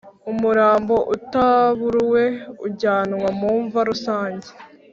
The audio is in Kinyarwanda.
umurambo utaburuwe ujyanwa mumva rusange.